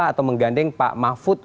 atau menggandeng pak mahfud